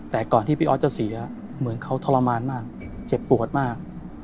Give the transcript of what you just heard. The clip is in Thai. แต่ก่อนที่พี่ออสจะเสียเหมือนเขาทรมานมากเจ็บปวดมาก